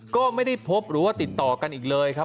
ก็ไม่ได้พบหรือว่าติดต่อกันอีกเลยครับ